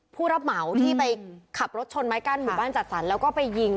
ผู้รับเหมาที่ไปขับรถชนไม้กั้นหมู่บ้านจัดสรรแล้วก็ไปยิง